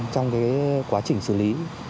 trong quá trình xử lý